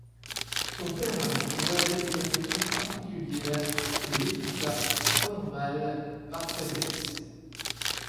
Son père avait pour elle une affection particulière et l'éduqua fort mal par faiblesse.